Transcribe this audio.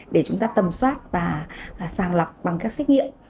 để chúng ta tầm soát và sàng lọc bằng các xét nghiệm